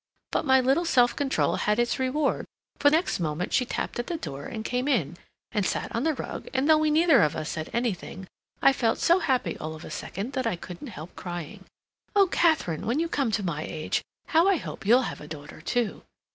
_' But my little self control had its reward, for next moment she tapped at the door and came in, and sat on the rug, and though we neither of us said anything, I felt so happy all of a second that I couldn't help crying, 'Oh, Katharine, when you come to my age, how I hope you'll have a daughter, too!